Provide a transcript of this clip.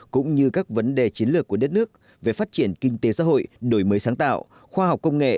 cũng như các vấn đề chiến lược của đất nước về phát triển kinh tế xã hội đổi mới sáng tạo khoa học công nghệ